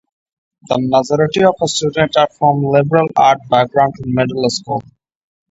The majority of students are from liberal arts background in middle school.